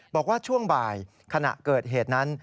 บอกว่าช่วงบ่ายขณะเกิดเหตุนั้น